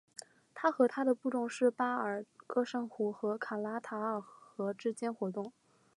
他和他的部众是巴尔喀什湖和卡拉塔尔河之间活动。